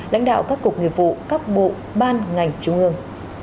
lãnh đạo các cục nghiệp vụ các bộ ban ngành trung ương